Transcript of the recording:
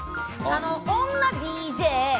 女ＤＪ。